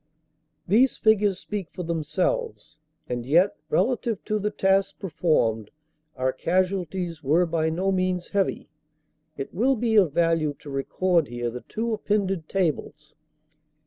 These figures speak for themselves. And yet, relative to the task performed, our casualties were by no means heavy. It will be of value to record here the two appended tables.